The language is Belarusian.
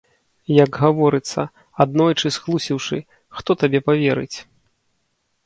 Як гаворыцца, аднойчы схлусіўшы, хто табе паверыць?